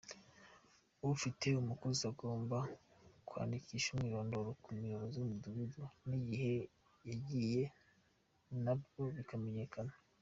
Ufite umukozi agomba kwandikisha umwirondoro ku muyobozi w’umudugudu n’igihe yagiye nabwo bikamenyekana.